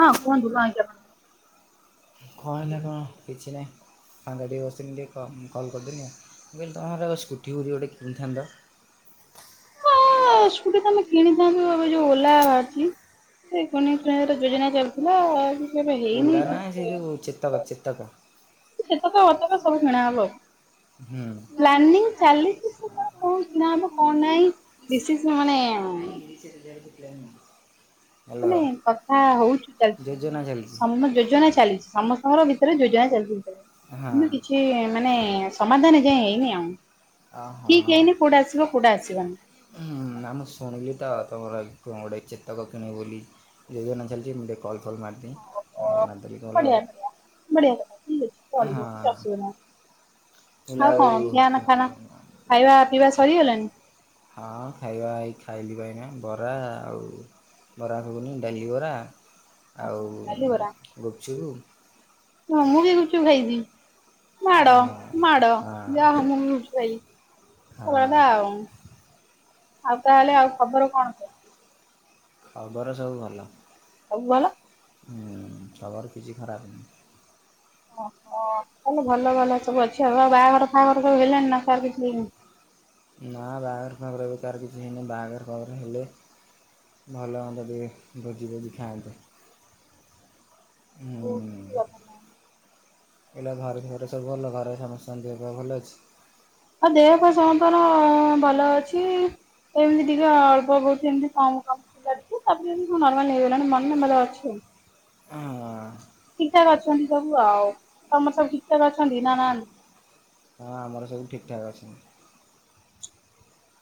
ହଁ କୁହନ୍ତୁ କଣ ହେଇଚି ଆପଣ କଣ ହେଲା କଣ କିଛି ନାହିଁ। ସାଙ୍ଗ ଟିକେ ବସିଥିନି ଟିକେ କ କଲ୍ କରିଦେନି ଆଉଁ। ମୁଁ କହିଲ ତମର ସ୍କୁଟି ଫୁଟି ଗୋଟେ କିଣିଥାନ୍ତ? ଏ ସ୍କୁଟି ତ ଆମେ କିଣିଥାନ୍ତୁ ଏବେ ଯୋଉ ଓଲା ଭାରିଛି। ଏଇ କୁନି ପ୍ରେୟାରର ଯୋଜନା ଚାଲିଥିଲା ଆଉ। ଓଲା ନା ସେଇ ଯୋଉ ଚେତକ ଚେତକ? ସେ ଚେତକ ବତକ ସବୁ କିଣା ହବ ଆଉ। ପ୍ଲାନିଂ ଚାଲିଚି ସେ ତାର କଣ କିଣା ହବ କଣ ନାହିଁ। ବିଶିସ୍ ମାନେ ମାନେ କଥା ହୋଉଚୁ ଚାଲି ସମ ଯୋଜନା ଚାଲିଚି। ସମସ୍ତଙ୍କର ଭିତରେ ଯୋଜନା ଚାଲିଚି ଭିତର କିନ୍ତୁ କିଛି ମାନେ ସମାଧାନ ଏଯାଏଁ ହେଇନି ଆଉ। ଠିକ ହେଇନି କୋଉଟା ଆସିବା କୋଉଟା ଆସିବନି। ହୁଁ ନା ମୁଁ ଶୁଣିଲି ତ ତମର ଆଗକୁ କଣ ଗୋଟେ ଚେତକ କିଣିବ ବୋଲି। ଯୋଜନା ଚାଲିଛି ମୁଁ ଟିକେ କଲ ଫଲ୍ ମାରଦିଏଁ। ଆଉ ମରଦେଲି କଲ୍ ଆଉ ହଁ। ମୁଁ କହିଲି ଆଉ ହଁ ଖାଇବା ଏଇ ଖାଇଲି ପା ଏଇନା ବରା ଆଉ ବରା ଘୁଗୁନି ଡାଲି ବରା ଆଉ ଗୁପଚୁପୁ। ହଁ ମୁଁ ବି ଗୁପଚୁପ ଖାଇଚି ମାଡ ମାଡ ଯାହ ମୁଁ ବି ବୁଝି ପାଇଲି। ସତ କଥା ଆଉ ଆଉ ତାହେଲେ ଆଉ ଖବର କଣ କି ଆଉ ଘରେ ସବୁ ଭଲ? ସବୁ ଭଲ। ହୁଁ ତମର କିଛି ଖରାପ ନାହିଁ। ଓହୋ ତାହଲେ ଭଲ ଭଲ ସବୁ ଅଛି ଆଉ। ଆଉ ବାହାଘର ଫାଘର ସବୁ ହେଲଣି ନା କାହାର କିଛି ହେଇନି? ନା ବାହାଘର ଫାଘର ଏବେ କାହାର କିଛି ହେଇନି ବାହାଘର ଫାଘର ହେଲେ ଭଲ ହୁଅନ୍ତା ଟିକେ ଭୋଜି ଭୋଜି ଖାଆନ୍ତେ। ହୁଁ। ଏଇନା ଘରେ ଘରେ ସବୁ ଭଲ ଘରେ ସମସ୍ତଙ୍କ ଦେହ ପା ସବୁ ଭଲ ଅଛି? ଆଉ ଦେହ ପା ସମସ୍ତଙ୍କର ଭଲ ଅଛି। ଏମିତି ଟିକେ ଅଳ୍ପ ବହୁଛି ଏମିତି [unintelligible] [unintelligible] ନର୍ମାଲ ହେଇଗଲାଣି [unintelligible] ଅଛୁ ଆଉ। ହଁ ଅ ଠିକ ଠାକ ଅଛନ୍ତି ସବୁ ଆଉ ତମର ସବୁ ଠିକ ଠାକ ଅଛନ୍ତି ନା ନା ହଁ ଆମର ସବୁ ଠିକଠାକ୍ ଅଛି।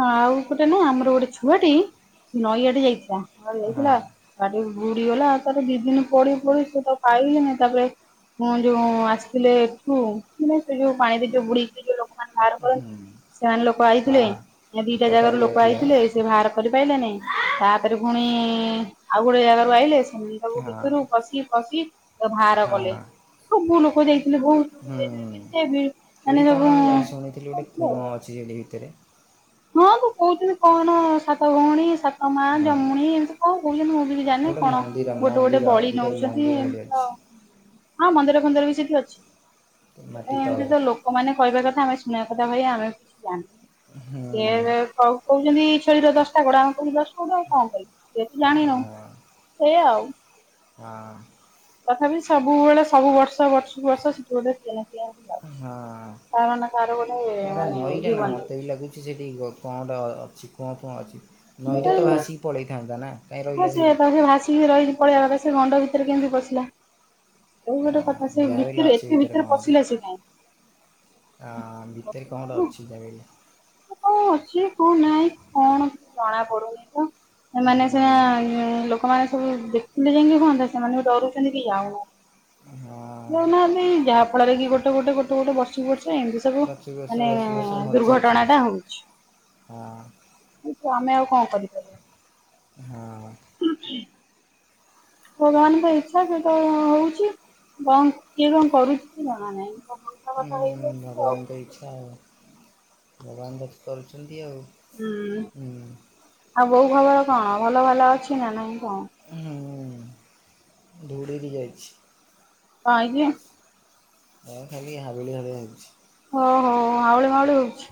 ହଁ ଆଉ ଗୋଟେ ନା ଆମର ଗୋଟେ ଛୁଆଟି ସେ ନଈଆଟେ ଯାଇଥିଲା ଯାଇଥିଲା। ଗାଧେଇକି ବୁଡିଗଲା ଆଉ ତାର ଦିଇ ଦିନ ପଡି ପଡି ସେ ତ ପାଇନି ତାପରେ ଯୋଉ ଆସିଥିଲେ ଏଠୁ ମେ ସେ ଯୋଉ ପାଣିରେ ଯୋଉ ବୁଡିକି ଯୋଉ ଲୋକମାନେ ବାହାର କରନ୍ତି। ସେମାନେ ଲୋକ ଆଇଥିଲେ ଦିଟା ଜାଗାରୁ ଲୋକ ଆଇଥିଲେ। ସେ ବାହାର କରିପାରଲେ ନାଇଁ ତାପରେ ପୁଣି ଆଉ ଗୋଟେ ଜାଗାରୁ ଆଇଲେ ସେମ ସବୁ ଭିତରୁ ପଶି ପଶି ବାହାର କଲେ। ସବୁ ଲୋକ ଯାଇଥିଲେ ବହୁତଥିଲେ କେତେ ବି ମାନେ ଯୁ ଯିଏ ଭିତରେ ହଁ ତଁ କହୁଥିଲି କଣ ସାତ ଭଉଣୀ ସା ହ ମା ଯମୁଣି ଏମିତି କଣ କହୁଛନ୍ତି ମୁଁ ବି ଜାଣିନି କଣ ଗୋଟେ ଗୋଟେ ବଳି ନଉଛନ୍ତି। ହଁ ମନ୍ଦିର ଫନ୍ଦିର ବି ସେଠି ଅଛି ଏମତି ତ ଲୋ ଲୋକମାନେ କହିବା କଥା ଆମେ ଶୁଣିବା କଥା ଭାଇ ଆମେ କିଛି ଜାଣୁ ହୁଁ [unintelligible] [unintelligible] ସେୟା ଆଉ। ହଁ। ତଥାପି ସବୁବେଳେ ସବୁ ବର୍ଷ ବର୍ଷ ବର୍ଷ ସେଠ ଗୋଟେ [unintelligible] ତାମାନେ ତାର ଗୋଟେ ଜୀବନ ଏ ବି ଲାଗୁଛି ସେଠି କଣ ଗଟା ଅଛି କୁହ କୁଁ ଅଛି। ନଈଟା ତ ଭାଶି ପଳେଇଥାନ୍ତା ନା କାହିଁ ରହିଲା ସେଇଠି। ଭାସିକି ରହିଛି। ପଳେଇବା କଥା ସେ ଗଣ୍ଡ ଭିତରେ କେମିତି ପଶିଲା। ଏଇ ଗୋଟେ କଥା ସେ ଭିତରେ ଏତେ ଭିତରେ ପଶିଲା ସେ କାଇଁ? ହ ଭିତରେ କଣ ଟା ଅଛି [unintelligible] କଉ ଅଛି କୋଉ ନାଇଁ କଣ ଜଣା ପଡୁନି ତ। ସେମାନେ ସିନା ଲୋକମାନେ ସବୁ ଦେଖିଲେ ଯାଇକି ହୁଅନ୍ତା ସେମାନେ ବି ଡରୁଛନ୍ତି କିଏ ଯାଉନାନ୍ତି। ହଁ। ଯାଉନାହାନ୍ତି ଯାହା ଫଳରେ କି ଗୋଟେ ଗୋଟେ ଗୋଟେ ଗୋଟେ ବର୍ଷ ବର୍ଷକୁ ଏମିତି ସବୁ ମାନେ ଦୁର୍ଘଟ। ଘଟଣା ଟା ହଉଛି କିନ୍ତୁ ଆମେ ଆଉ କଣ କରିପାରିବା। ହଁ। ଭଗବାନଙ୍କ ଇଚ୍ଛା କିଏ କ ହଉଛି କଣ କିଏ କଣ କରୁଛି କି ଜଣା ନାହିଁ। ଉଁ ଭଗବାନଙ୍କ ଇଚ୍ଛା ଆଉ ଭଗବାନ ଦେଖ କରୁଛନ୍ତି ଆଉ ହୁଁ ଆଉ ବୋଉ ଖବର କଣ ଭଲ ଭଲ ଅଛି ନା ନାଇଁ କଣ? ହୁଁ ଧୂଉଳି କି ଯାଇଛି। କାଇଁକି? ହ ଖାଲି ହାବୁଲିଆ ହାବୁଲିଆ ହେଇଛି। ଓ ହୋ ହାଉଳି ମାଉଳି ହଉଛି।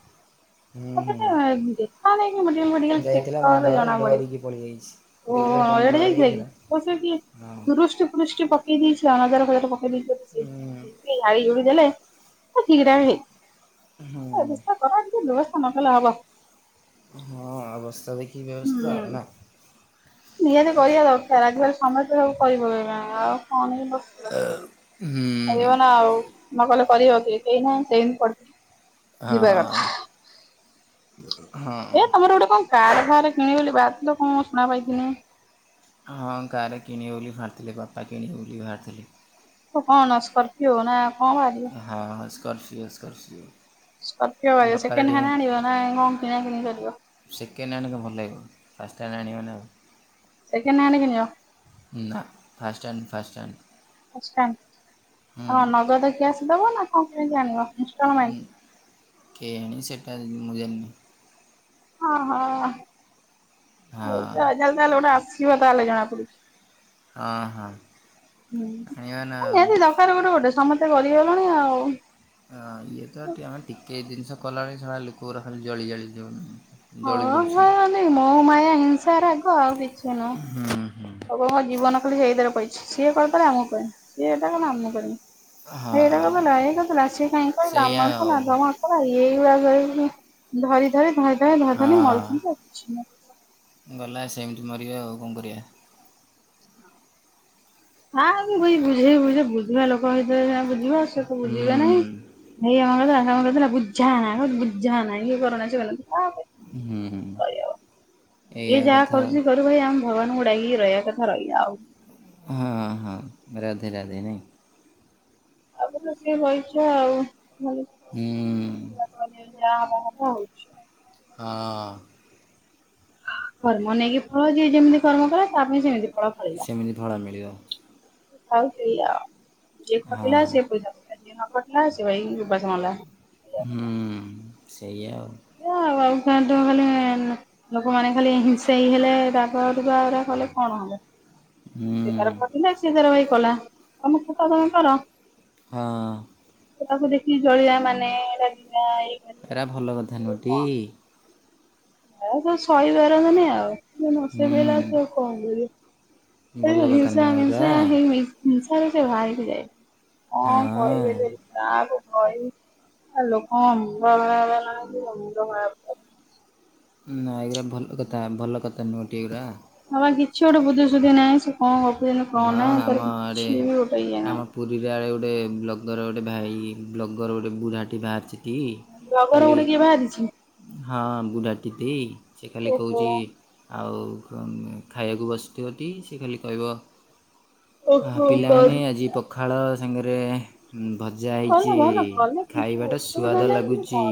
ହୁଁ ହୁଁ। ଦେଖାଅ ଓ ନେଇକି ମେଡ଼ିକାଲ୍ ଫେଡ଼ିକାଲ୍ ଚେକ୍ ଅପ୍ କଲେ ଜଣା ପଡ଼ିବ ଏଡ୍ ହେଇଥିଲା କି? ଓସା କି ଦୃଷ୍ଟି ଫୃଷ୍ଟି ପକେ ପକେଇଦେଇ ଚି ନଜର ଫଜର ପକେଇ ଦେଇଚି ଟିକେ ଝାଡ଼ୁ ଝୁଡ଼ି ଦେଲେ ଠିକ ଟା ହେଇ। ବ୍ୟବସ୍ଥା କର ଟିକେ ବ୍ୟବସ୍ଥା ନକେଲେ ହବ। ହଁ ଅବସ୍ଥା ଦେଖି ବ୍ୟବସ୍ଥା ଆଉ ନା ନିହାତି କରିବା ଦରକାର ଆଜିକାଲି ସମସ୍ତ ତ ସବୁ କରି ପକେଇଲେଣି ଆଉ କଣ? ତ ହୁଁ। କରିବ ନା ଆଉ ନ କରିଲେ କରିବ କିଏ କେହି ନାହଁ, ସେମିତି ପଡ଼ି ହଁ ହଁ। ହଁ। ଏ ତମର ଗୋଟେ କଣ କାର ଫାର କିଣିବ ବୋଲି ବାହାରିଥିଲ କଣ ଶୁଣା ପାଇଥିଲିନି? ହଁ କାରେ କିଣିବଲି ବାହାରିଥିଲେ ବାପା କିଣିିବେ ବୋଲି ବାହାରିଥିଲେ। ତ କଣ ସ୍କରପିଓ ନା କଣ [unintelligible] ହଁ ସ୍କୋରପିଓ ସ୍କର୍ପିଓ। ସ୍କର୍ପିଓ ଆଣିବ ସେକେଣ୍ଡ ହାଣ୍ଡ ଆଣିବ, ନା କଣ କିଣା କିଣି କରିବ? ସେକେଣ୍ଡ ହ୍ୟାଣ୍ଡ କଁ ଭଲ ଲାଗିବନି ଫାଷ୍ଟ ହ୍ୟାଣ୍ଡ ଆଣିବ ନା ଆଉ। ସେକେଣ୍ଡ ହ ଆଣିବନି ଆଉ। ନା first hand first hand. First hand କଣ ନଗଦ କ୍ୟାସ୍ ଦବ ନା କଣ କେମିତି ଆଣିବ? ହୁଁ କେଜାଣି ସେଟା ମୁଁ ଜାଣିନି। ହ ହଁ [unintelligible] ଗୋଟେ ଆସିବ ତାହେଲେ ଜଣା ପଡୁଚି। ହଁ ନିହାତି ଦର ସପ ଗୋଟେ ଗୋଟେ ସମସ୍ତେ କରିଗଲଣି ଆଉ। ହଁ ଇଏ ତ ଆମେ ଟିକେ ଜିନିଷ କଲାବେଳେ ସଳା ଲୋକ ରଖିଲେ ଜଳି ଜାଳି [unintelligible] ହଁ ହଁ ନାଇ ମୋ ମାୟା ହିଂସା ରାଗ ଆଉ କିଛି ନା ଲୋକଙ୍କ ଜୀବନ ତାଲି ସେଇଦେରେ କହିଛି ସଏ କରିଦେଲେମକୁ କହିବେ ସିଏଇଟା କଲେ ମୁମକୁ କହନି। ଏଇଟା କରହେଲା ନାଇ [unintelligible] ହ ଏଇଗୁଡାରେ ଧରି ଧରି ଧରି ଧରି ଧରି ଧରି ମରି [unintelligible] ଗଲା ସେମିତି ମରିବେ ଆଉ କଣ କରିବା। ହଁ ମୁ ବଇ ବୁଝେଇି ବୁଝେଇ ବୁଝିବା ଲୋକ ହେଇଥିଲେ ସିନା ବୁଝିବ। ତ ବୁଝିବେ ନାଇଁ ଏଇ ଆମ [unintelligible] ବୁଝା ନାଁ ବୁଝା ନାହିଁ। ଇଏ କରନା [unintelligible] ହୁଁ। ଯିଏ ଯାହା କରୁଛି କରୁ ଭାଇ ଆମେ ଭଗବାନଙ୍କୁ ଡାକିକି ରହିବା କଥା ରହିବା ଆଉ। ହୁଁ ହୁଁ ରାଧେ ରାଧେ। [unintelligible] ହଁ ହଁ। କର୍ମ ନେଇକି ଫଳ ଯଏ ଯେମିତି କର୍ମ କଲା ତା ପାଇଁ ସେମିତି ଫଳ ଫଳିଲା। [unintelligible] ଯିଏ ଖଟିଲା ସେ ପଇସା ପା ଯିଏ ନ ଖଟିଲା ସେ ଭାଇ ଓପାସ ରହିଲା। ହିଁ ସେଈ ତ। ଆଉ ଖାଲି [unintelligible] ଲୋକମାନେ ଖାଲି ହିଂସ ହେଇ ହେଲେ [unintelligible] କଲେ କଣ ହବ। ପ ସିଏ ତାର ଭାଇ କଲା ତମ ଖଟ ତମେ କର। ହଁ। ତାକୁ ଦେଖି ଜଳିଆ ମାନେ [unintelligible] ଏରା ଭଲ କଥା ନୁହେଁ ଠିକ୍। ଆଉ ସବୁ ସଇପାରନ୍ତିନି ଆଉ ନସେଇ ପାଇଲେ ହେଲା [unintelligible] କଣ କରିବ। ହିଂସା ମିଂସା ହେଇ ହିଂସାରେ ସେ ବାହାରିକି ଯାଏ କଣ କହିବେ। କାହାକୁ କହିବି ଲୋକ ଙ୍କ ମୁଣ୍ଡ ଖରାପ୍ ହେଲାଣି [unintelligible] ନା ଏଗଡା ଭଲ କଥା ଭଲ କଥା ନୁହଟି ଏଗୁଡ଼ା। ହଁ ବା କିଛି ଗୋଟେ ବୁଦ୍ଧି ସୁୁଧି ନାହିଁ ସେ କଣ ଗପୁଛନ୍ତି କଣ ନାହିଁ ତାର କିଛି ବି ଗୋଟେ ଇଏ ନାହିଁ। ପୁରୀଆ ଆଡ଼େ ଗୋଟେ ବ୍ଲଗର ଗୋଟେ ଭାଇ ବ୍ଲଗର ଗୋଟେ ବୁଢ଼ାଟି ବାହାରିଛିଟି। ଖାଲି ହଁ ବୁଡାଟି ସେ ଖାଲି କୋହୁଚି ଆଉ ଖାଇବାକୁ ବସିଥିବଟି ସେ ଖାଲି କହିବ ହଁ ପିଲାମାନେ ଆଜି ପଖାଳ ସାଙ୍ଗରେ ଭର୍ ଜା ହେଇଚି। ଖାଇବାଟା ସୁଆଦ ଲାଗୁଚି।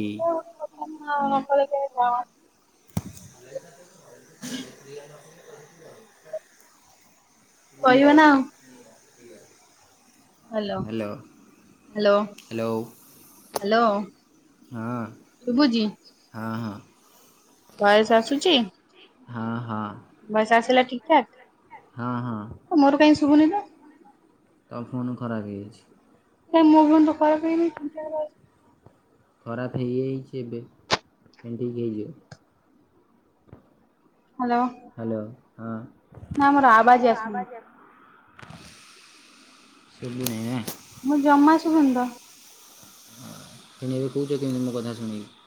[unintelligible] [unintelligible] କହିବ ନା ଆଉ। ହାଲୋ। ହ୍ୟାଲୋ। ହାଲୋ ଶୁଭୁଚି। ହଁ ହଁ। ଭଏସ୍ ଆସୁଚି? ହଁ ହଁ। ଭଏସ୍ ଆସିଲା ଠିକ୍ ଠାକ୍? ହଁ ହଁ। ତୋ ଫୋନ୍ ଖରାପ ହେଇଚି। କାଇଁ ମୋ ଫୋନ୍ ତ ଖରାପ୍ ହେଇନି। ଖରାପ ହେଇଯାଇଚି ଏବେ। ପୁଣି ଠିକ୍ ହେଇଯିବ। ହାଲୋ। ହ୍ୟାଲୋ ହଁ। ଶୁବୁନେଇ ନା? ମୋର ଜମା ଶୁବୁନି ତ। ପୁଣି ଏବେ କହୁଚ କେମିତି ମୋ କଥା ଶୁଣିକି?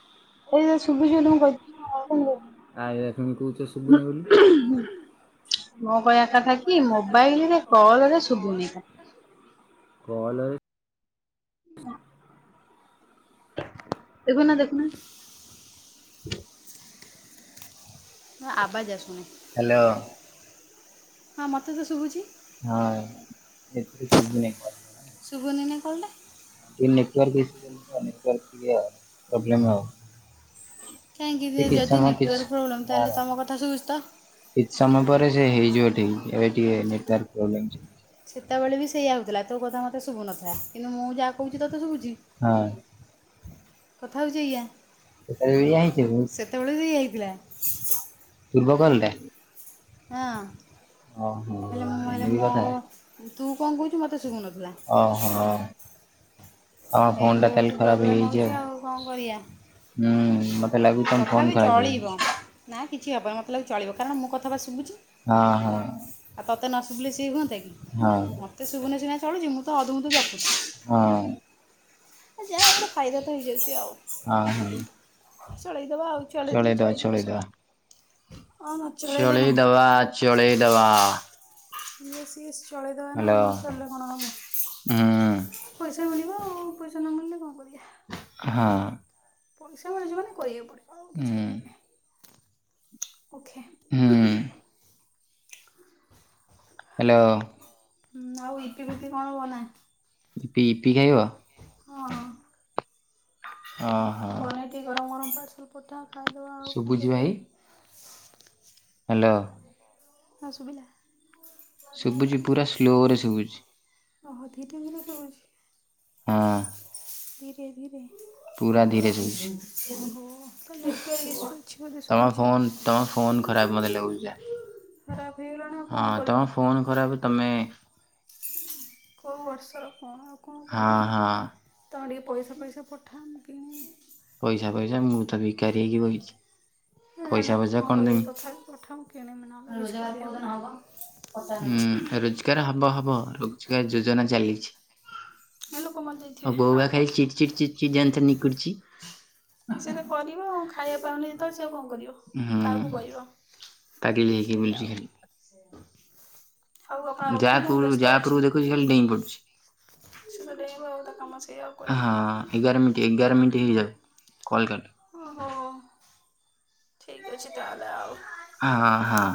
ଏଇରା ଶୁବୁଚି ବୋଲି ମୁଁ କହୁଦଉଚି ନା, ଆଉ କଣ କରିବି। ଆ ଏଇନା ପୁଣି କହୁଚ ଶୁଭୁନି ବୋଲି? ମୋ କହିବା କଥା କି ମୋବାଇଲ ରେ କଲରେ ଶୁଭୁନି। କଲ ରେ ହଁ ଦେଖୁନ ଦେଖୁନ। ଆବାଜ ଆସୁନି। ହଁ ମୋତେ ତ ଶୁଭୁଛି। ହଁ। ଏଥିରେ ଶୁବୁନେଇ କଲ୍। ଶୁଭୁନି ନା କଲ୍ ଟା? କାହିଁକି ଯଦି ନେଟୱାର୍କ ପ୍ରୋବ୍ଲେମ୍ କିଛି ସମୟ ପରେ ସେ ହେଇଯିବ ଠିକ୍। ଏବେ ଟିକେ ନେଟୱାର୍କ ପ୍ରୋବ୍ଲେମ୍ ଚା ସେତେବେଳେ ବି ସେଇଆ ହଉଥିଲା। ତୋ କଥା ମୋତେ ଶୁଭୁନଥିଲା। କିନ୍ତୁ ମୁଁ ଯାହା କହୁଚି ତୋତେ ଶୁଭୁଚି। କଥା ହଉଚି ଏଇଆ। ସେତେବେଳେ ବି ସେଇଆ ହେଇଥିଲା। ହଁ। ଅ ହୋ ଏମିତି କଥା। ତୁ କଣ କହୁଚୁ ମୋତେ ଶୁଭୁନଥିଲା। ଓହୋ। ଆମ ଫୋନ୍ ଟା ତାହେଲେ ଖରାପ ହେଇଯାଇଚି ଆଉ। ହୁଁ ମତେ ଲାଗୁଚି ତମ ଫୋନ୍ ଖରାପ ହେଇଯାଇଚି। ନା କିଛି ହବନି ମୋତେ ଲାଗୁଚି ଚଳିବ। କାରଣ ମୋ କଥା ବା ଶୁବୁଚି। ଆଉ ତୋତେ ନ ଶୁଭିଲେ ସିଏ ହୁଅନ୍ତା କି? ହଁ। ତତେ ଶୁଭୁନେ ସିନା ଚଳୁଚି। ମୁଁ ତ ଅଧ ଭୂତୁ ରୁ ଗପୁଚି। ହଁ। ଏ ଯାହା ହଉ ଗୋଟେ ଫାଇଦା ତ ହେଇଯାଇଉଚି ଆଉ। [unintelligible] ଚଳେଇ ଦେବା ଆଉ। ଚଲେଇ ଦେଲେ ଚଳି ଯିବ ସବୁ। ଅଁ ଚଳେଇଲେ ନାହିଁ। Yes yes. ଚଳେଇ ଦେବା ନା ଆଉ ନ ଚଳିଲେ କଣ ହବ। ପଇସା ମିଳିବ ଆଉ। ପଇସା ନ ମିଳିଲେ କଣ କରିବା। ପଇସା ମିଳୁଚି ମାନେ କରିବାକୁ ପଡିବ ଆଉ କିଛି କରିହେବନି। ଆଛା ହୁଁ ହୁଁ। ହୁଁ ଆଉ ଇପି ଫିପି କଣ ବନା। ହଁ। ବନେଇ କି ଗରମ ଗରମ ପାର୍ସଲ ପଠା ଖାଇଦେବା ଆଉ କଣ କରିବା ହ୍ୟାଲୋ। ହଁ ଶୁଭିଲା। ଓଃ ଧିରେ ଧିରେ ଶୁଭୁଚି। ଧୀରେ ଧୀରେ। ଓହୋ କ ନେଟୱର୍କ ଇସୁ ଅଛି ବୋଧେ ଶୁଭୁ ଚି ଆଉ। ଖରାପ ହେଇଗଲାଣି ଆଉ କଣ କରିମି। କୋଉ ବର୍ଷର କଣ ଆଉ କଣ କରିମି ତମେ ଟିକେ ପଇସା ଫଇସା ପଠାଅ ନା। ହୁଁ। ହେ ହେଲା କଣ କରିବି ତଥାପି ପଠାଅ ମୁ କିଣମି ନହେଲେ। [unintelligible] [inaudible] ମୋ ବୋଉ ବା ଖାଲି ଚିଡ ଚିଡ ଚି ଚି ଦାନ୍ତ ନିକୁଡ଼ୁଚି। ସେଇଆ କହିଲୁ ଖାଇଆ ପାଉନି ଯେତେବେଳେ ସେ କଣ କରିବ। ପାଗିଲି ହେଇ କି ବୁଲୁଚି ଖାଲି। [unintelligible] ହଁ ଏଗାର ମିନିଟ୍ ଏଗାର ମିନିଟ୍ ହେଇଯାଉ। କଲ୍ କାଟ। ଓହୋ ଠିକ ଅଛି ତାହାଲେ ଆଉ।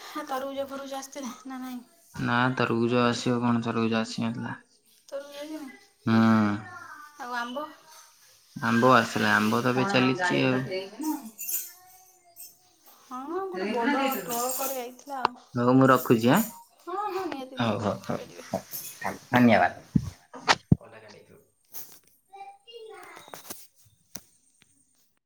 ହା ତରୁଭୁଜ ଫରୁଭୁଜ ଆସିଥିଲା ନା ନାଇଁ। ନା ତରୁଭୁଜ ଆସିବ କଣ ତରୁଭୁଜ ଆସି ନଥିଲା। ତରୁଭୁଜ ଆସିନି ଆଉ ଆମ୍ବ। ଆମ୍ବ ଆସିଲା ଆମ୍ବ ତ ଏବେ ଚାଲିଛି ଆଉ। ହଁ ହଁ ଗୋଟେ ବଡ ଟ୍ରକ୍ ରେ ଆଇଥିଲା ଆଉ ହଁ ହଁ ନିଆ ତି ନିହାତି ରଖିପାରିବେ। [inaudible]